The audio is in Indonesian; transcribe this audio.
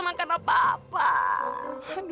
pak pak pak pak